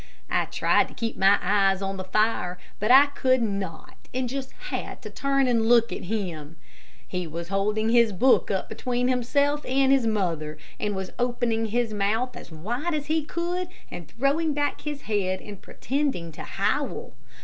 I tried to keep my eyes on the fire, but I could not, and just had to turn and look at him. He was holding his book up between himself and his mother, and was opening his mouth as wide as he could and throwing back his head, pretending to howl.